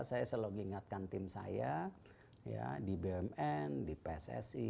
saya ingatkan tim saya di bumn di pssi